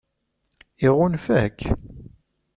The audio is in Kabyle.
Iɣunfa-k?